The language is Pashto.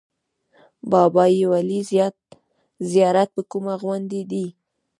بابای ولي زیارت په کومه غونډۍ دی؟